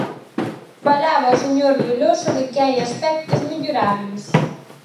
Falaba o señor Velosa de que hai aspectos mellorables.